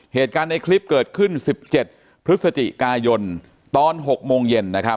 เหตุการณ์ในคลิปเกิดขึ้น๑๗พฤศจิกายนตอน๖โมงเย็นนะครับ